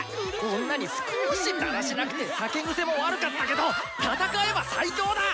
女に少しだらしなくて酒グセも悪かったけど戦えば最強だ！